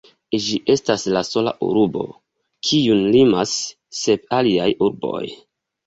Ĝi estas la sola urbo, kiun limas sep aliaj urboj.